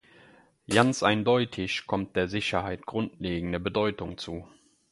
Ganz eindeutig kommt der Sicherheit grundlegende Bedeutung zu.